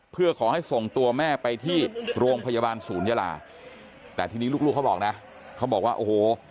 เพื่อขอให้ส่งตัวแม่ไปที่โรงพยาบาลศูนยาลาแต่ทีนี้ลูกเขาบอกนะเขาบอกว่าโอ้โห